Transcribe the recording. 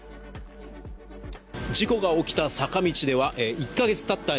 事故が起きた坂道では１か月たった